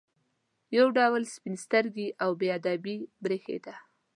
یو ډول سپین سترګي او بې ادبي برېښېده.